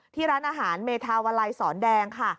ที่ร้านอาหารเมธาวลัยสอนแดงค่ะ